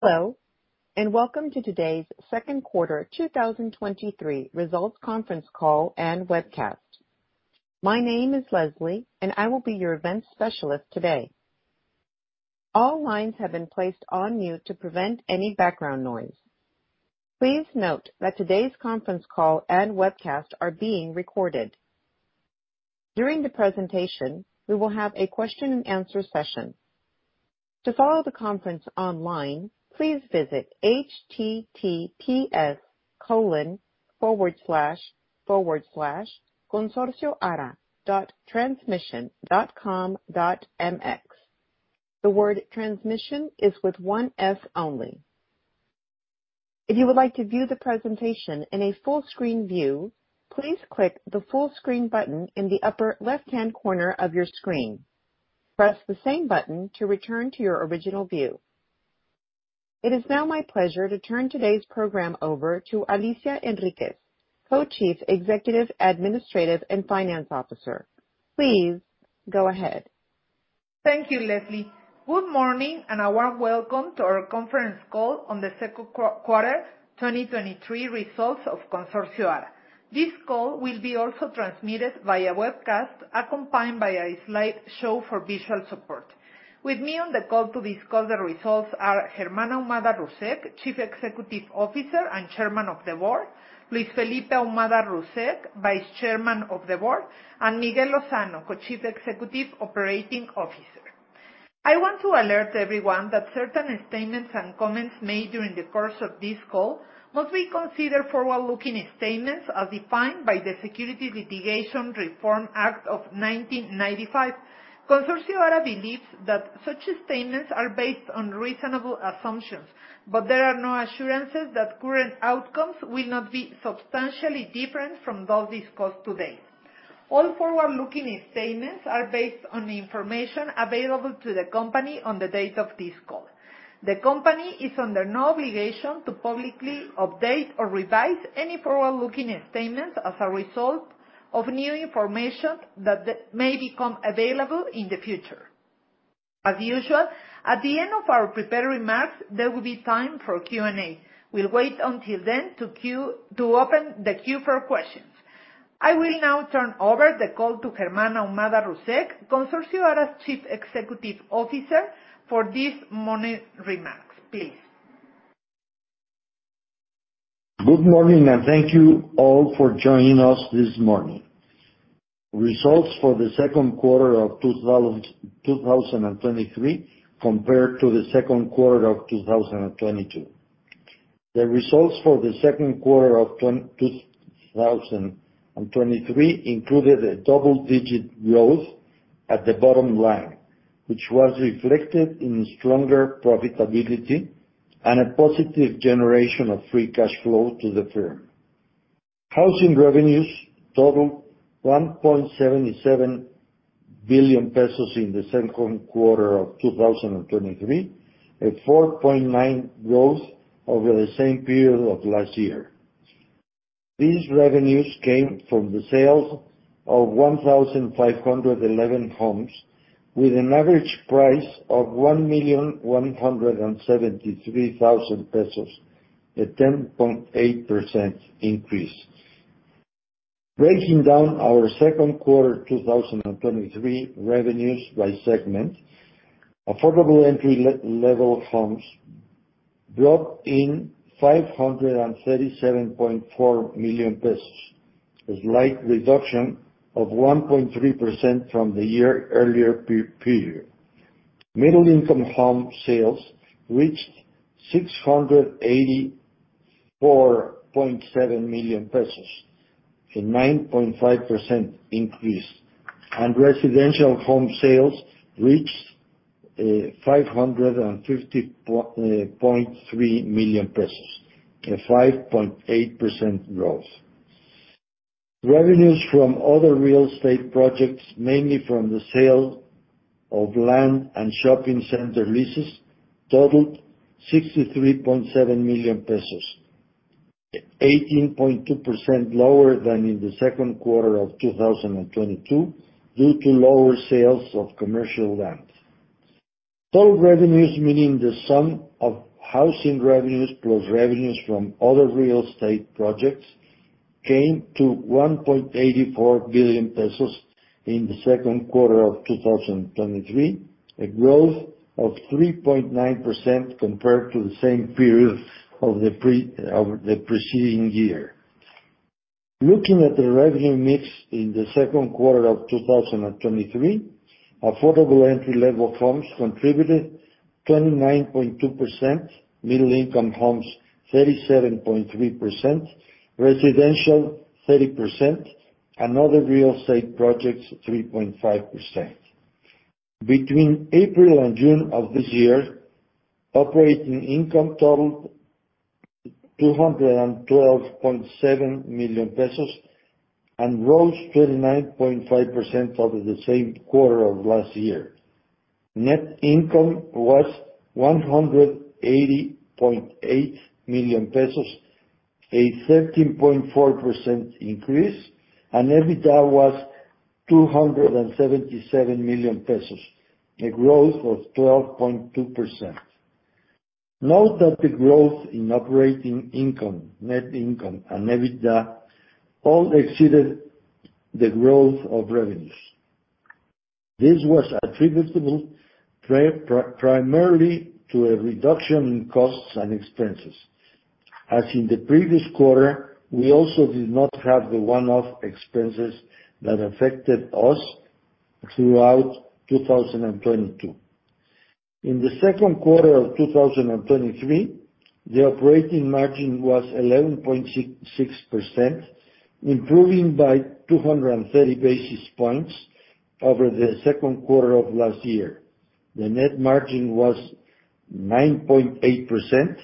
Hello, and welcome to today's Q2 2023 results conference call and webcast. My name is Leslie, and I will be your event specialist today. All lines have been placed on mute to prevent any background noise. Please note that today's conference call and webcast are being recorded. During the presentation, we will have a question and answer session. To follow the conference online, please visit https://consorcioara.transmision.com.mx. The word transmission is with one S only. If you would like to view the presentation in a full screen view, please click the full screen button in the upper left-hand corner of your screen. Press the same button to return to your original view. It is now my pleasure to turn today's program over to Alicia Enriquez, Co-Chief Executive Administrative and Finance Officer. Please go ahead. Thank you, Leslie. Good morning, and a warm welcome to our conference call on the Q2 2023 results of Consorcio ARA. This call will be also transmitted via webcast, accompanied by a slide show for visual support. With me on the call to discuss the results are Germán Ahumada Russek, Chief Executive Officer and Chairman of the Board, Luis Felipe Ahumada Russek, Vice Chairman of the Board, and Miguel Lozano, Co-Chief Executive Operating Officer. I want to alert everyone that certain statements and comments made during the course of this call must be considered forward-looking statements as defined by the Securities Litigation Reform Act of 1995. Consorcio ARA believes that such statements are based on reasonable assumptions, but there are no assurances that current outcomes will not be substantially different from those discussed today. All forward-looking statements are based on the information available to the company on the date of this call. The company is under no obligation to publicly update or revise any forward-looking statements as a result of new information that may become available in the future. As usual, at the end of our prepared remarks, there will be time for Q&A. We'll wait until then to open the queue for questions. I will now turn over the call to Germán Ahumada Russek, Consorcio ARA's Chief Executive Officer, for this morning remarks, please. Good morning, and thank you all for joining us this morning. Results for the Q2 of 2023, compared to the Q2 of 2022. The results for the Q2 of 2023 included a double-digit growth at the bottom line, which was reflected in stronger profitability and a positive generation of free cash flow to the firm. Housing revenues totaled 1.77 billion pesos in the Q2 of 2023, a 4.9% growth over the same period of last year. These revenues came from the sales of 1,511 homes, with an average price of 1,173,000 pesos, a 10.8% increase. Breaking down our Q2 2023 revenues by segment, affordable entry level homes brought in 537.4 million pesos, a slight reduction of 1.3% from the year earlier period. Middle-income home sales reached 684.7 million pesos, a 9.5% increase, residential home sales reached 550.3 million pesos, a 5.8% growth. Revenues from other real estate projects, mainly from the sale of land and shopping center leases, totaled 63.7 million pesos, 18.2% lower than in the Q2 of 2022, due to lower sales of commercial land. Total revenues, meaning the sum of housing revenues plus revenues from other real estate projects, came to 1.84 billion pesos in the Q2 of 2023, a growth of 3.9% compared to the same period of the preceding year. Looking at the revenue mix in the Q2 of 2023, affordable entry-level homes contributed 29.2%, middle-income homes, 37.3%, residential, 30%, and other real estate projects, 3.5%. Between April and June of this year, operating income totaled MXN 212.7 million and rose 29.5% over the same quarter of last year. Net income was 180.8 million pesos-... A 13.4% increase. EBITDA was 277 million pesos, a growth of 12.2%. Note that the growth in operating income, net income, and EBITDA all exceeded the growth of revenues. This was attributable primarily to a reduction in costs and expenses. As in the previous quarter, we also did not have the one-off expenses that affected us throughout 2022. In the Q2 of 2023, the operating margin was 11.66%, improving by 230 basis points over the Q2 of last year. The net margin was 9.8%,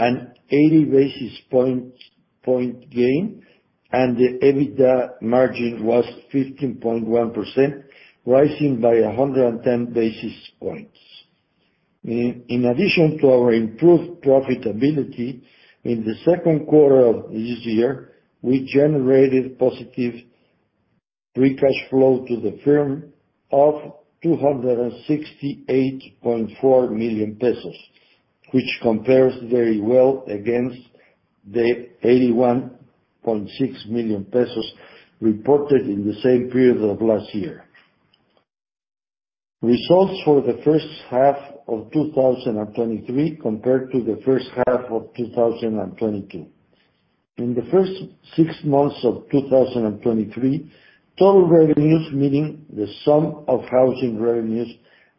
an 80 basis points, point gain, and the EBITDA margin was 15.1%, rising by 110 basis points. In addition to our improved profitability, in the Q2 of this year, we generated positive free cash flow to the firm of 268.4 million pesos, which compares very well against the 81.6 million pesos reported in the same period of last year. Results for the first half of 2023 compared to the first half of 2022. In the first six months of 2023, total revenues, meaning the sum of housing revenues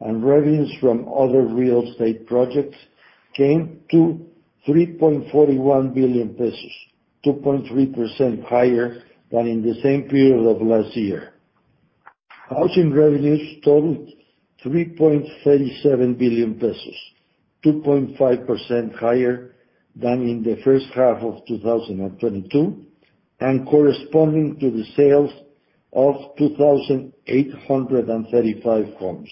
and revenues from other real estate projects, came to 3.41 billion pesos, 2.3% higher than in the same period of last year. Housing revenues totaled 3.37 billion pesos, 2.5% higher than in the first half of 2022, and corresponding to the sales of 2,835 homes,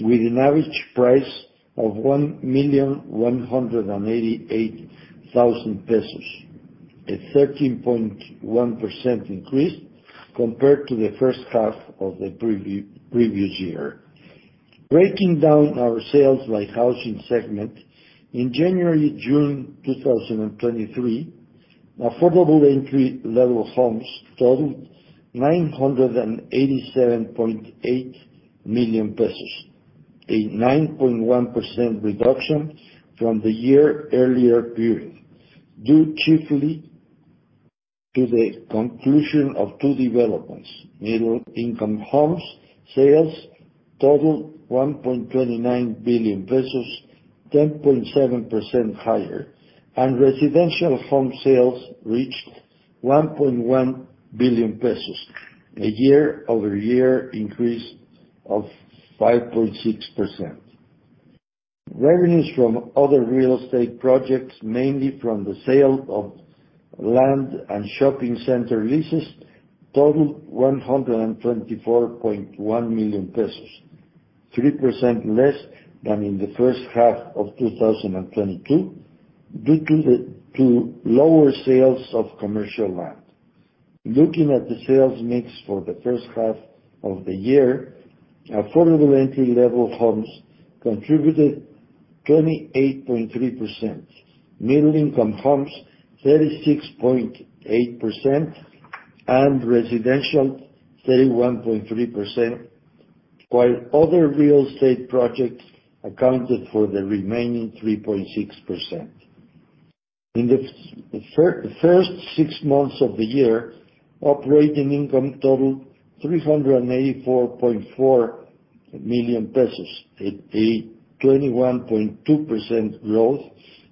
with an average price of 1,188,000 pesos, a 13.1% increase compared to the first half of the previous year. Breaking down our sales by housing segment, in January-June 2023, affordable entry-level homes totaled 987.8 million pesos, a 9.1% reduction from the year earlier period, due chiefly to the conclusion of two developments. Middle-income homes sales totaled MXN 1.29 billion, 10.7% higher, and residential home sales reached 1.1 billion pesos, a year-over-year increase of 5.6%. Revenues from other real estate projects, mainly from the sale of land and shopping center leases, totaled 124.1 million pesos, 3% less than in the first half of 2022, due to lower sales of commercial land. Looking at the sales mix for the first half of the year, affordable entry-level homes contributed 28.3%, middle-income homes, 36.8%, and residential, 31.3%, while other real estate projects accounted for the remaining 3.6%. In the first six months of the year, operating income totaled 384.4 million pesos, a 21.2% growth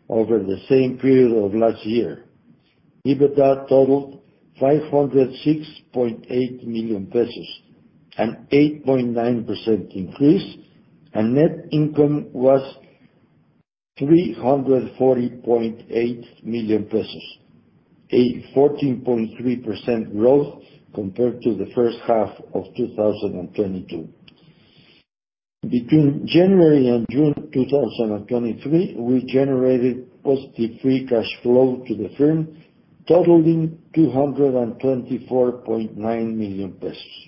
over the same period of last year. EBITDA totaled 506.8 million pesos, an 8.9% increase, and net income was MXN 340.8 million, a 14.3% growth compared to the first half of 2022. Between January and June 2023, we generated positive free cash flow to the firm, totaling 224.9 million pesos.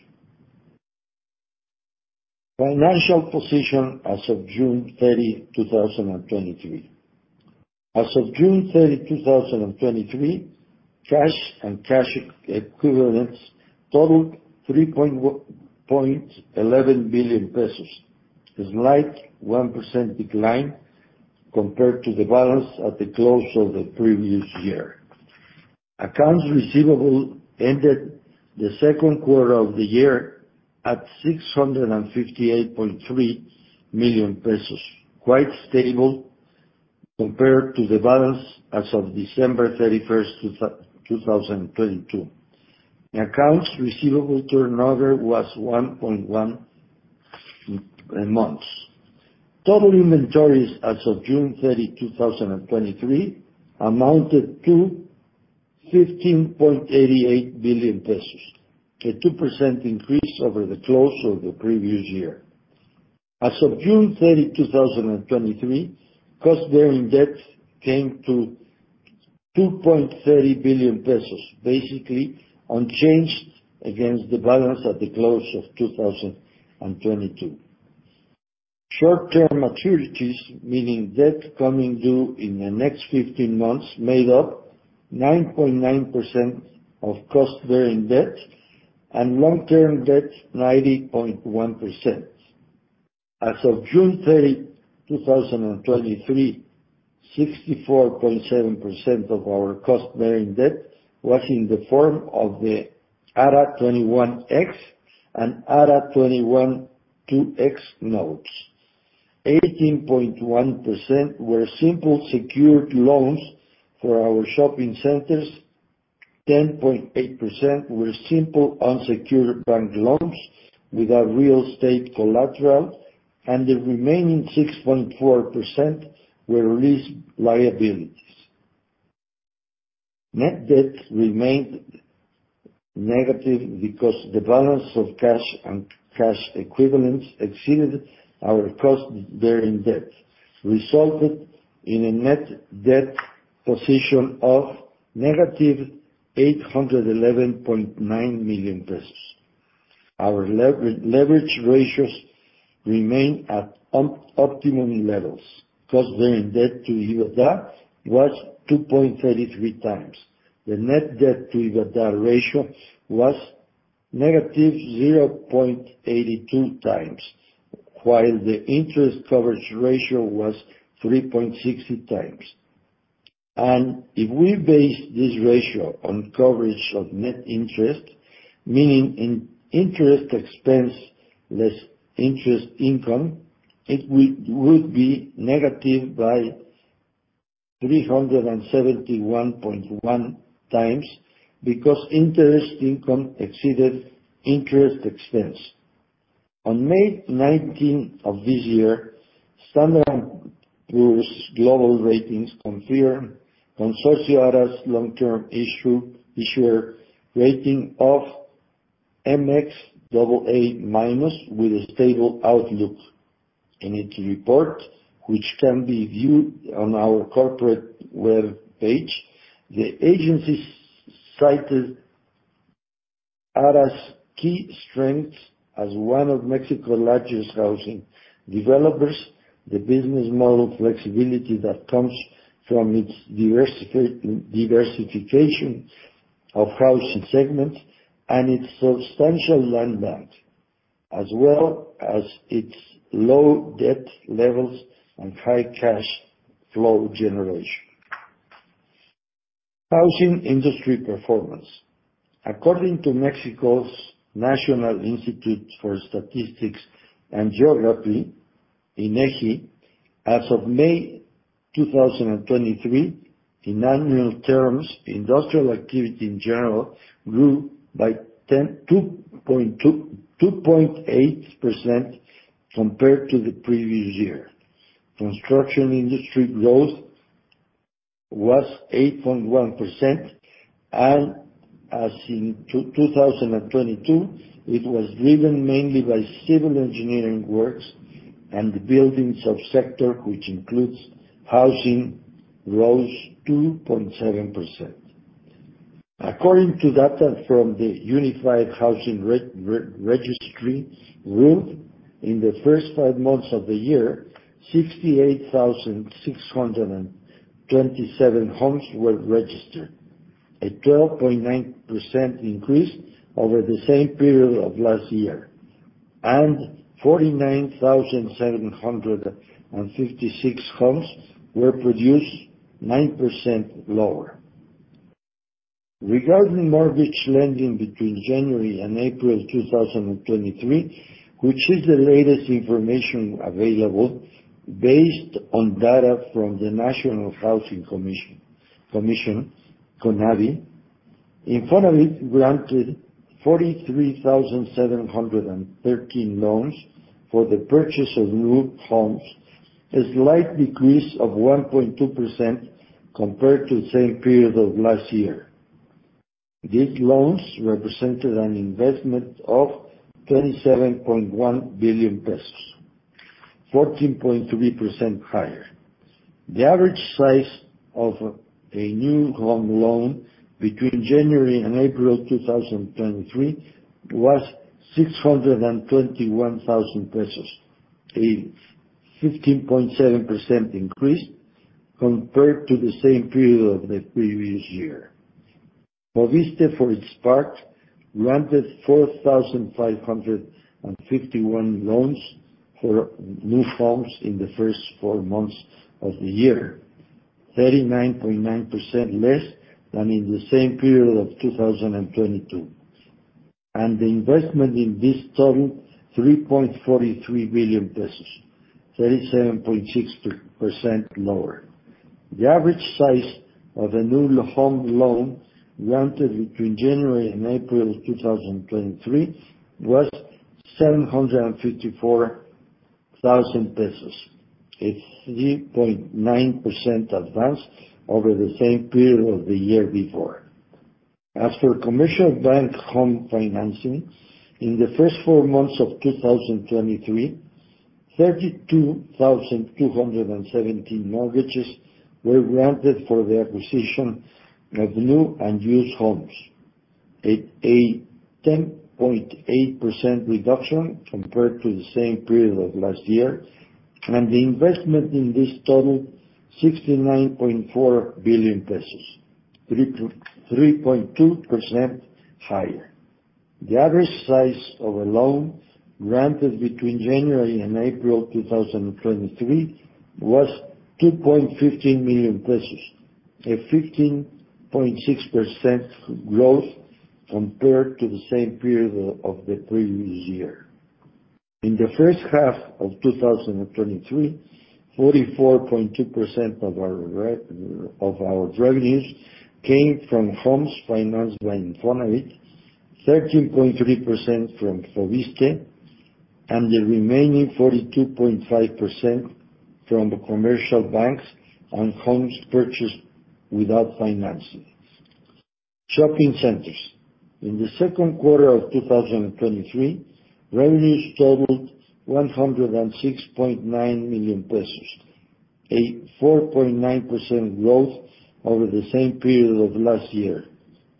Financial position as of June 30, 2023. As of June 30, 2023, cash and cash equivalents totaled 3.11 billion pesos, a slight 1% decline compared to the balance at the close of the previous year. Accounts receivable ended the Q2 of the year at 658.3 million pesos, quite stable compared to the balance as of December 31, 2022. Accounts receivable turnover was 1.1 months. Total inventories as of June 30, 2023, amounted to 15.88 billion pesos, a 2% increase over the close of the previous year. As of June 30, 2023, cost bearing debt came to 2.30 billion pesos, basically unchanged against the balance at the close of 2022. Short-term maturities, meaning debt coming due in the next 15 months, made up 9.9% of cost bearing debt, and long-term debt, 90.1%. As of June 30, 2023, 64.7% of our cost-bearing debt was in the form of the ARA 21X and ARA 21-2X notes. 18.1% were simple secured loans for our shopping centers, 10.8% were simple unsecured bank loans without real estate collateral, and the remaining 6.4% were lease liabilities. Net debt remained negative because the balance of cash and cash equivalents exceeded our cost bearing debt, resulted in a net debt position of negative 811.9 million pesos. Our leverage ratios remain at optimum levels. Cost bearing debt to EBITDA was 2.33 times. The net debt to EBITDA ratio was negative 0.82 times, while the interest coverage ratio was 3.60 times. If we base this ratio on coverage of net interest, meaning in interest expense less interest income, it would be negative by 371.1 times because interest income exceeded interest expense. On May 19th of this year, S&P Global Ratings confirmed Consorcio ARA's long-term issue, issuer rating of mxAA- with a stable outlook in its report, which can be viewed on our corporate web page. The agencies cited ARA's key strengths as one of Mexico's largest housing developers, the business model flexibility that comes from its diversification of housing segments, and its substantial land bank, as well as its low debt levels and high cash flow generation. Housing industry performance. According to Mexico's National Institute of Statistics and Geography, INEGI, as of May 2023, in annual terms, industrial activity in general grew by 2.8% compared to the previous year. Construction industry growth was 8.1%. As in 2022, it was driven mainly by civil engineering works. The building sub-sector, which includes housing, rose 2.7%. According to data from the Unified Housing Registry, RUV, in the first five months of the year, 68,627 homes were registered, a 12.9% increase over the same period of last year. 49,756 homes were produced, 9% lower. Regarding mortgage lending between January and April 2023, which is the latest information available, based on data from the National Housing Commission, CONAVI, INFONAVIT granted 43,713 loans for the purchase of new homes, a slight decrease of 1.2% compared to the same period of last year. These loans represented an investment of 27.1 billion pesos, 14.3% higher. The average size of a new home loan between January and April 2023 was MXN 621,000, a 15.7% increase compared to the same period of the previous year. FOVISSSTE, for its part, granted 4,551 loans for new homes in the first four months of the year, 39.9% less than in the same period of 2022. The investment in this totaled 3.43 billion pesos, 37.6% lower. The average size of a new home loan granted between January and April 2023 was MXN 754,000, a 3.9% advance over the same period of the year before. As for commercial bank home financing, in the first months of 2023, 32,217 mortgages were granted for the acquisition of new and used homes, a 10.8% reduction compared to the same period of last year, and the investment in this totaled 69.4 billion pesos, 3.2% higher. The average size of a loan granted between January and April 2023 was 2.15 million, a 15.6% growth compared to the same period of the previous year. In the first half of 2023, 44.2% of our revenues came from homes financed by INFONAVIT, 13.3% from FOVISSSTE, and the remaining 42.5% from commercial banks and homes purchased without financing. Shopping centers. In the Q2 of 2023, revenues totaled 106.9 million pesos, a 4.9% growth over the same period of last year,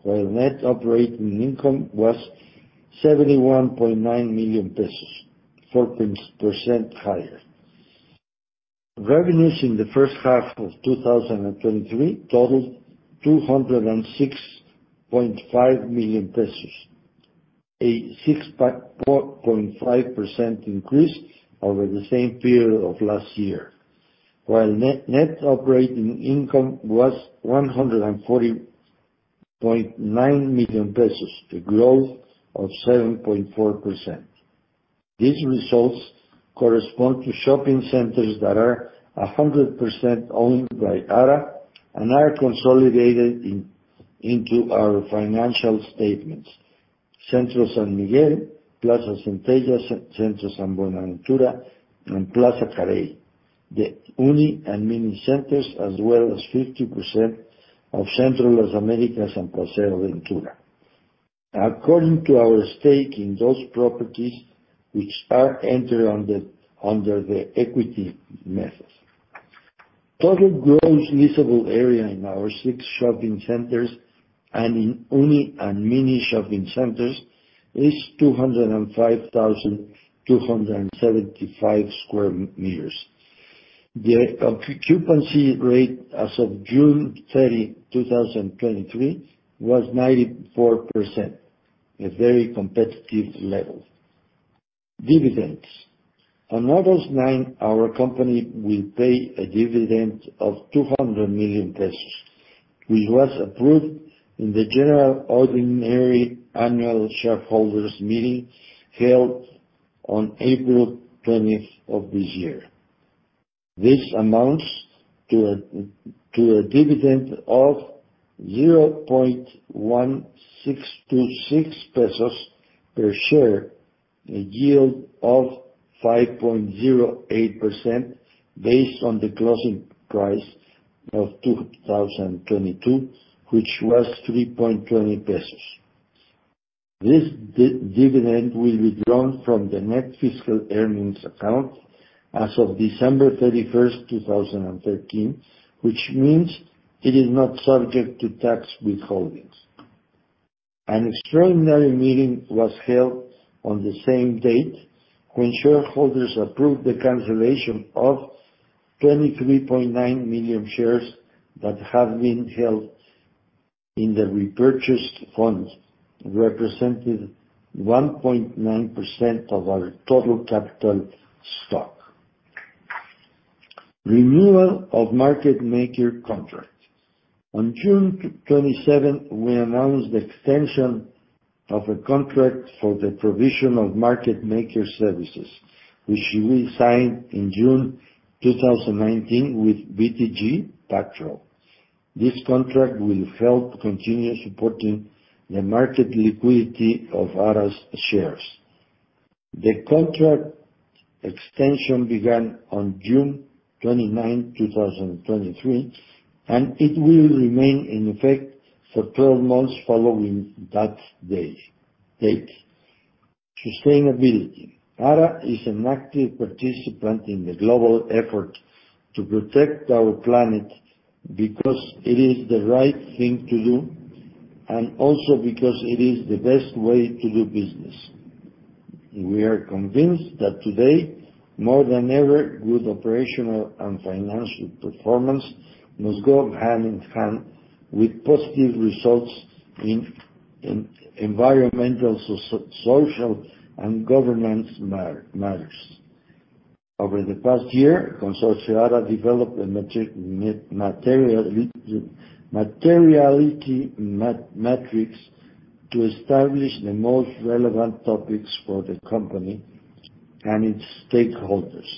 while net operating income was 71.9 million pesos, 4 point % higher. Revenues in the first half of 2023 totaled MXN 206.5 million, a 6.5% increase over the same period of last year, while net operating income was 140.9 million pesos, a growth of 7.4%. These results correspond to shopping centers that are 100% owned by ARA and are consolidated into our financial statements. Centro San Miguel, Plaza Centella, Centro San Buenaventura, and Plaza Carey, the uni and mini centers, as well as 50% of Centro Las Américas and Plaza Ventura. According to our stake in those properties, which are entered under the equity method. Total gross leasable area in our 6 shopping centers and in uni and mini shopping centers is 205,275 square meters. The occupancy rate as of June 30, 2023, was 94%, a very competitive level. Dividends. On August 9, our company will pay a dividend of 200 million pesos, which was approved in the general ordinary annual shareholders meeting held on April 20 of this year. This amounts to a dividend of 0.1626 pesos per share, a yield of 5.08% based on the closing price of 2022, which was 3.20 pesos. This dividend will be drawn from the net fiscal earnings account as of December 31, 2013, which means it is not subject to tax withholdings. An extraordinary meeting was held on the same date, when shareholders approved the cancellation of 23.9 million shares that have been held in the repurchased funds, representing 1.9% of our total capital stock. Renewal of market maker contract. On June 27, we announced the extension of a contract for the provision of market maker services, which we signed in June 2019 with BTG Pactual. This contract will help continue supporting the market liquidity of ARA's shares. The contract extension began on June 29, 2023. It will remain in effect for 12 months following that day, date. Sustainability. ARA is an active participant in the global effort to protect our planet because it is the right thing to do, also because it is the best way to do business. We are convinced that today, more than ever, good operational and financial performance must go hand in hand with positive results in environmental, social, and governance matters. Over the past year, Consorcio ARA developed a materiality matrix to establish the most relevant topics for the company and its stakeholders.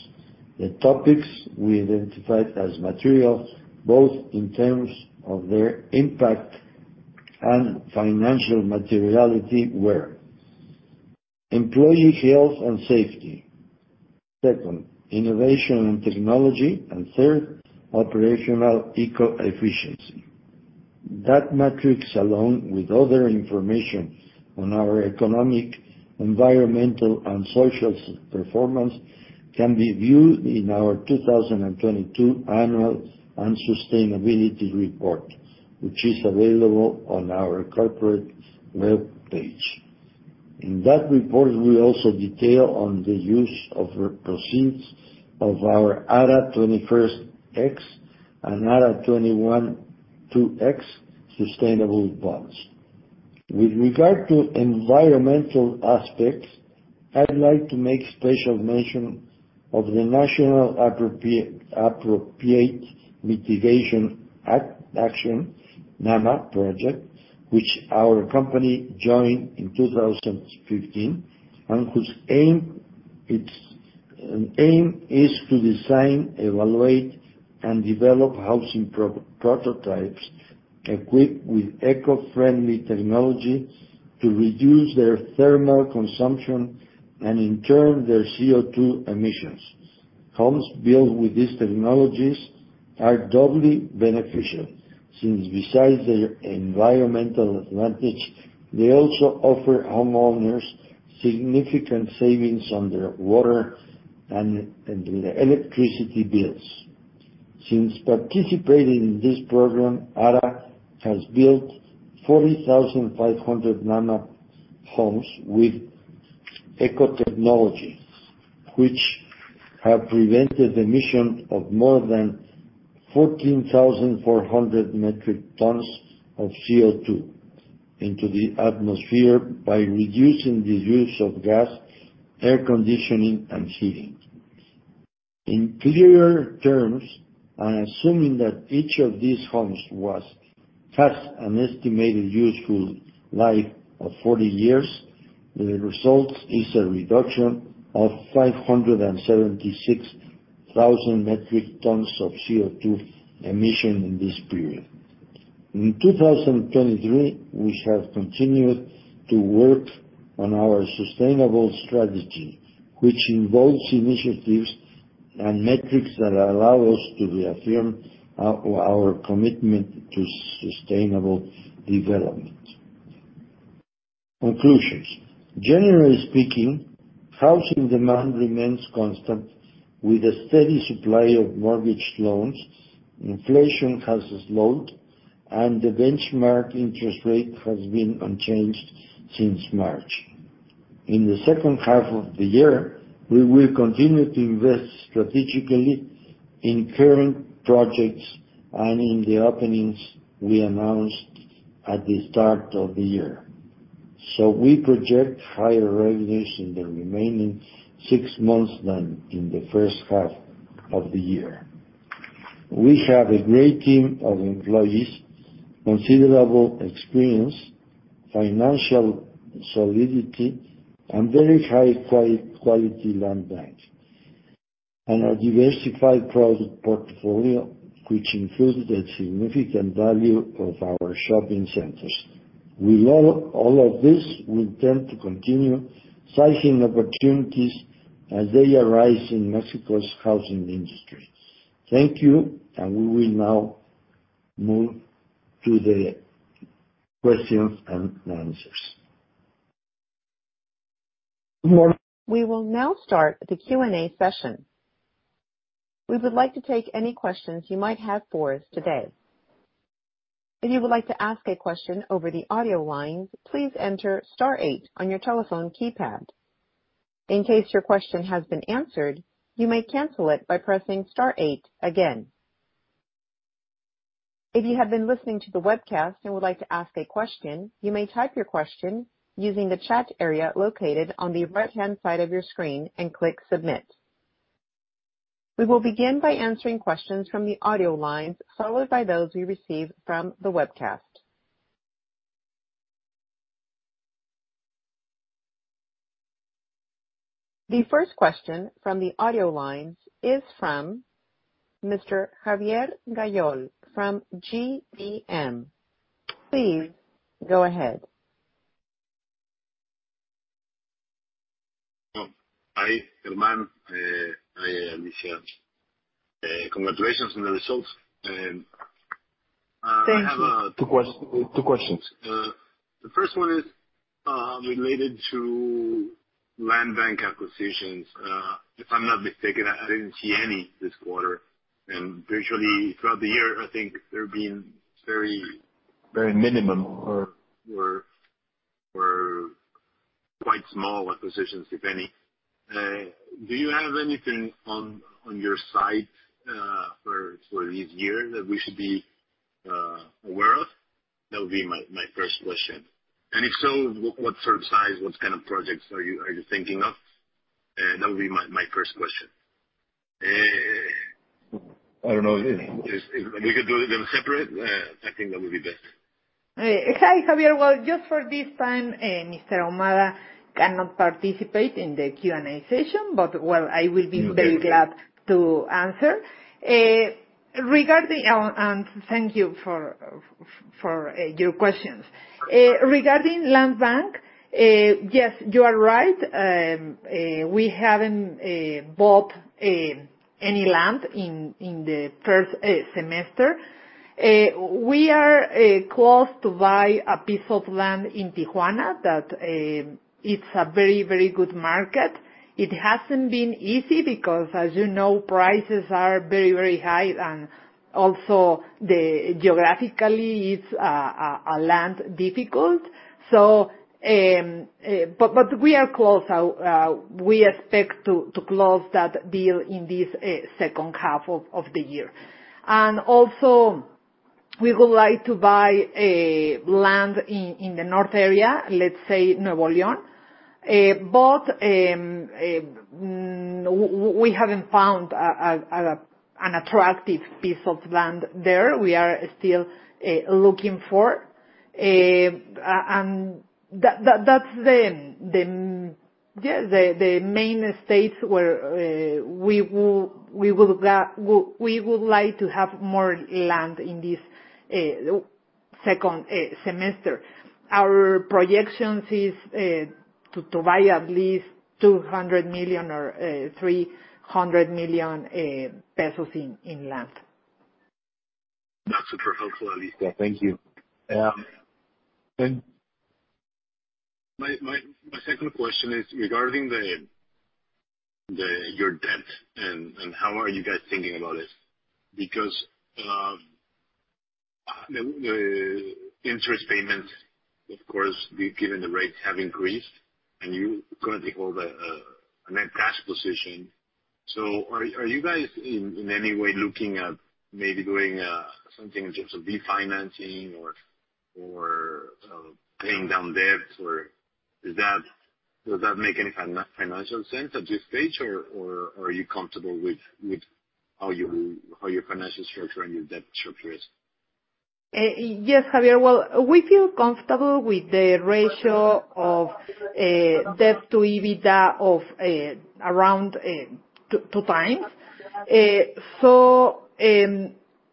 The topics we identified as material, both in terms of their impact and financial materiality, were:... employee health and safety. Second, innovation and technology, third, operational eco-efficiency. That matrix, along with other information on our economic, environmental, and social performance, can be viewed in our 2022 Annual and Sustainability Report, which is available on our corporate web page. In that report, we also detail on the use of the proceeds of our ARA 21X and ARA 21-2X sustainable bonds. With regard to environmental aspects, I'd like to make special mention of the Nationally Appropriate Mitigation Action, NAMA Project, which our company joined in 2015, and whose aim is to design, evaluate, and develop housing prototypes equipped with eco-friendly technology to reduce their thermal consumption and in turn, their CO2 emissions. Homes built with these technologies are doubly beneficial, since besides their environmental advantage, they also offer homeowners significant savings on their water and their electricity bills. Since participating in this program, ARA has built 40,500 NAMA homes with eco-technology, which have prevented emission of more than 14,400 metric tons of CO2 into the atmosphere by reducing the use of gas, air conditioning, and heating. Assuming that each of these homes has an estimated useful life of 40 years, the result is a reduction of 576,000 metric tons of CO2 emission in this period. In 2023, we have continued to work on our sustainable strategy, which involves initiatives and metrics that allow us to reaffirm our commitment to sustainable development. Conclusions. Generally speaking, housing demand remains constant with a steady supply of mortgage loans, inflation has slowed, and the benchmark interest rate has been unchanged since March. In the second half of the year, we will continue to invest strategically in current projects and in the openings we announced at the start of the year. We project higher revenues in the remaining six months than in the first half of the year. We have a great team of employees, considerable experience, financial solidity, and very high quality land banks, and a diversified product portfolio, which includes the significant value of our shopping centers. With all of this, we intend to continue sizing opportunities as they arise in Mexico's housing industry. Thank you. We will now move to the questions and answers. We will now start the Q&A session. We would like to take any questions you might have for us today. If you would like to ask a question over the audio line, please enter star eight on your telephone keypad. In case your question has been answered, you may cancel it by pressing star eight again. If you have been listening to the webcast and would like to ask a question, you may type your question using the chat area located on the right-hand side of your screen and click Submit. We will begin by answering questions from the audio lines, followed by those we receive from the webcast. The first question from the audio lines is from Mr. Javier Gayol from GBM. Please go ahead. Hi, Germán. Hi, Alicia. Congratulations on the results. Thank you. I have two questions. The first one is related to land bank acquisitions. If I'm not mistaken, I didn't see any this quarter, and usually throughout the year, I think they're being very- Very minimum. Quite small acquisitions, if any. Do you have anything on your side for this year that we should be aware of? That would be my first question. If so, what sort of size, what kind of projects are you thinking of? That would be my first question. I don't know. We could do them separate, I think that would be best. Hi, Javier. Well, just for this time, Mr. Ahumada cannot participate in the Q&A session, but, well, I will be very glad to answer. Regarding, and thank you for your questions. Regarding land bank, yes, you are right. We haven't bought any land in the first semester. We are close to buy a piece of land in Tijuana that it's a very, very good market. It hasn't been easy because, as you know, prices are very, very high, and also geographically, it's a land difficult. We are close. We expect to close that deal in this second half of the year. Also, we would like to buy a land in the north area, let's say Nuevo León. We haven't found an attractive piece of land there. We are still looking for. That's the, yeah, the main states where we would like to have more land in this second semester. Our projections is to buy at least 200 million or 300 million pesos in land. That's super helpful, Alicia. Thank you. My second question is regarding the your debt and how are you guys thinking about it? Because the interest payment, of course, we've given the rates have increased, and you currently hold a net cash position. Are you guys in any way looking at maybe doing something in terms of refinancing or paying down debt, or does that make any financial sense at this stage, or are you comfortable with how your financial structure and your debt structure is? Yes, Javier. Well, we feel comfortable with the ratio of debt to EBITDA of around two times.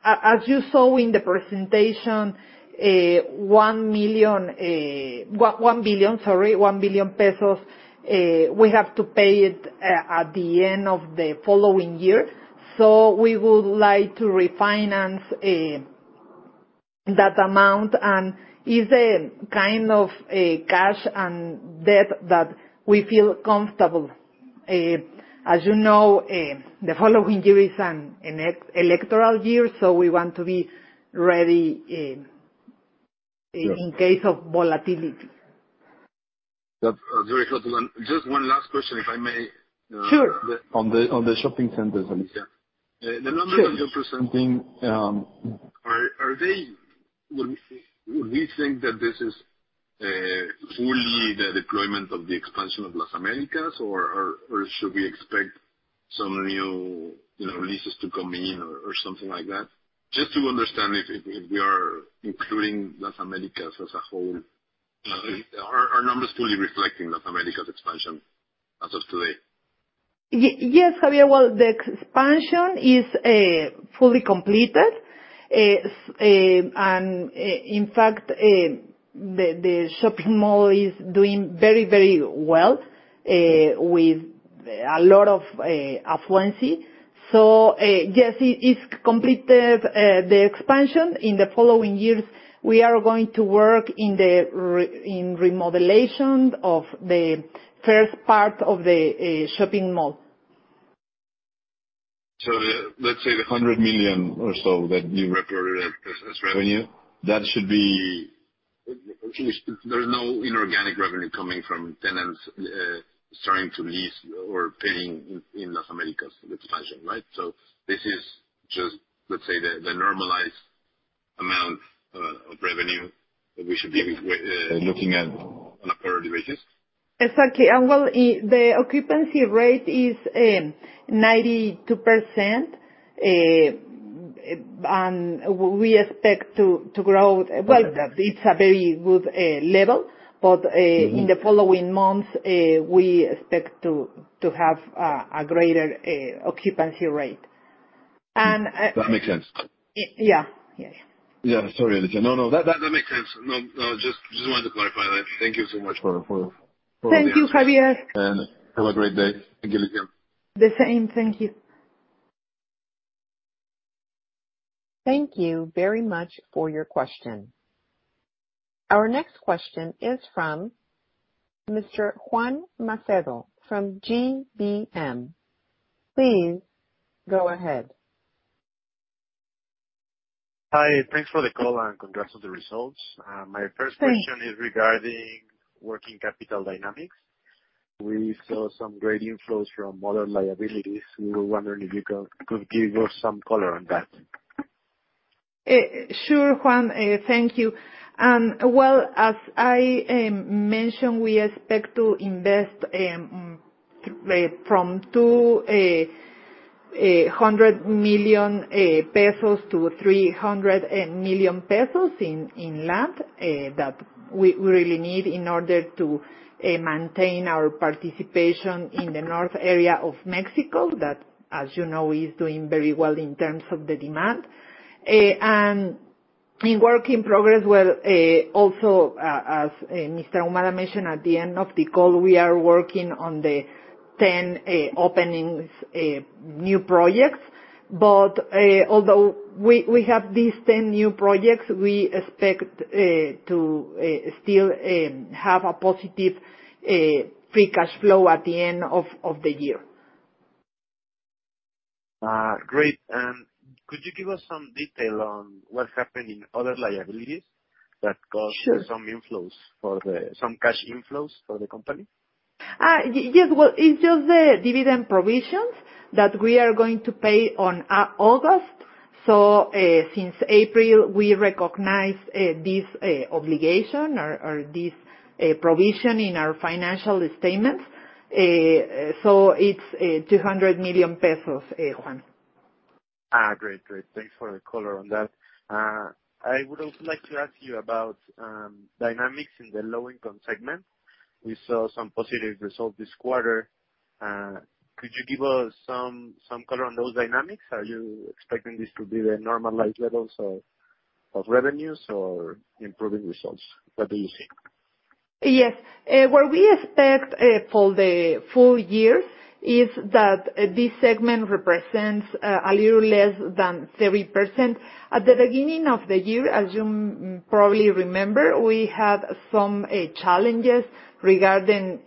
As you saw in the presentation, 1 million, 1 billion, sorry, 1 billion pesos, we have to pay it at the end of the following year. We would like to refinance that amount. It's a kind of a cash and debt that we feel comfortable. As you know, the following year is an electoral year, so we want to be ready in case of volatility. Yeah. Very helpful. Just one last question, if I may. Sure. On the shopping centers, Alicia. The numbers that you're presenting, are they? Would we think that this is fully the deployment of the expansion of Las Américas? Or should we expect some new, you know, leases to come in or something like that? Just to understand if we are including Las Américas as a whole. Are our numbers fully reflecting Las Américas' expansion as of today? Yes, Javier. Well, the expansion is fully completed. In fact, the shopping mall is doing very, very well with a lot of affluency. Yes, it is completed, the expansion. In the following years, we are going to work in the remodelation of the first part of the shopping mall. The, let's say the 100 million or so that you reported as revenue, that should be. There's no inorganic revenue coming from tenants, starting to lease or paying in Las Américas the expansion, right? This is just, let's say, the normalized amount of revenue that we should be looking at on a quarterly basis? Exactly. Well, the occupancy rate is 92%. We expect to grow. Okay. It's a very good, level, but. Mm-hmm. In the following months, we expect to have a greater occupancy rate. That makes sense. Yeah. Yes. Yeah. Sorry, Alicia. No, that makes sense. No, just wanted to clarify that. Thank you so much for. Thank you, Javier. Have a great day. Thank you again. The same. Thank you. Thank you very much for your question. Our next question is from Mr. Juan Macedo from GBM. Please go ahead. Hi. Thanks for the call. Congrats on the results. Hi My first question is regarding working capital dynamics. We saw some great inflows from other liabilities. We were wondering if you could give us some color on that? Sure, Juan. Thank you. Well, as I mentioned, we expect to invest from 200 million pesos to 300 million pesos in land that we really need in order to maintain our participation in the north area of Mexico. That, as you know, is doing very well in terms of the demand. In work in progress, well, also, as Mr. Ahumada mentioned at the end of the call, we are working on the 10 openings new projects. Although we have these 10 new projects, we expect to still have a positive free cash flow at the end of the year. great. Could you give us some detail on what happened in other liabilities? Sure. Some cash inflows for the company? Yes. Well, it's just the dividend provisions that we are going to pay on August. Since April, we recognized this obligation or this provision in our financial statements. It's 200 million pesos, Juan. Great, great. Thanks for the color on that. I would also like to ask you about dynamics in the low-income segment. We saw some positive results this quarter. Could you give us some color on those dynamics? Are you expecting this to be the normalized levels of revenues or improving results? What do you think? Yes. What we expect for the full year is that this segment represents a little less than 30%. At the beginning of the year, as you probably remember, we had some challenges regarding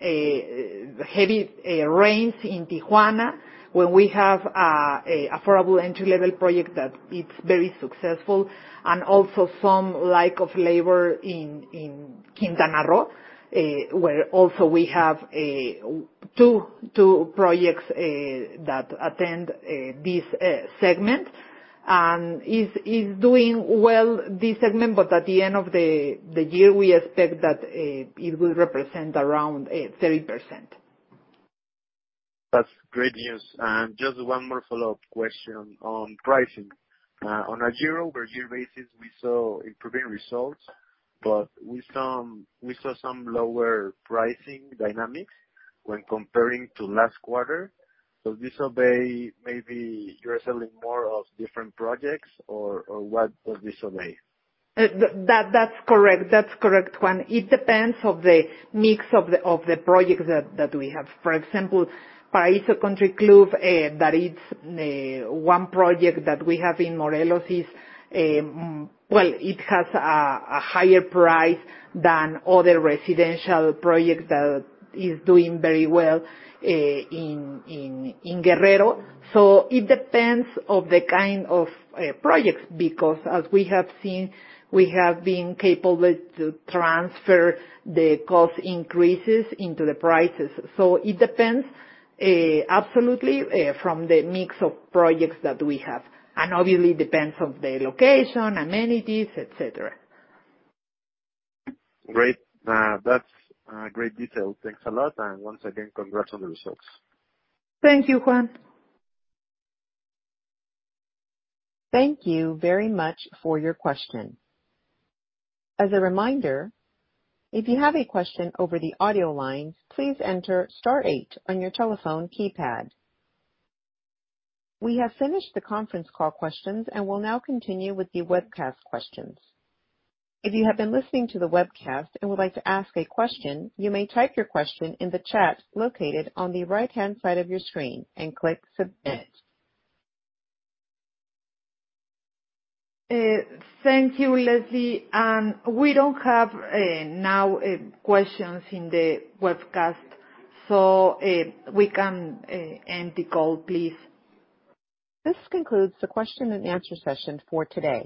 heavy rains in Tijuana, where we have an affordable entry-level project that it's very successful, and also some lack of labor in Quintana Roo, where also we have two projects that attend this segment. Is doing well, this segment, but at the end of the year, we expect that it will represent around 30%. That's great news. Just one more follow-up question on pricing. On a year-over-year basis, we saw improving results, we saw some lower pricing dynamics when comparing to last quarter. This obey, maybe you're selling more of different projects or what does this obey? That's correct. That's correct, Juan. It depends on the mix of the projects that we have. For example, Paraiso Country Club, that is one project that we have in Morelos. Well, it has a higher price than other residential projects that is doing very well in Guerrero. It depends on the kind of projects, because as we have seen, we have been capable to transfer the cost increases into the prices. It depends absolutely from the mix of projects that we have, and obviously it depends on the location, amenities, et cetera. Great. That's great detail. Thanks a lot. Once again, congrats on the results. Thank you, Juan. Thank you very much for your question. As a reminder, if you have a question over the audio line, please enter star 8 on your telephone keypad. We have finished the conference call questions and will now continue with the webcast questions. If you have been listening to the webcast and would like to ask a question, you may type your question in the chat located on the right-hand side of your screen and click Submit. Thank you, Leslie. We don't have, now, questions in the webcast, so, we can end the call, please. This concludes the question and answer session for today.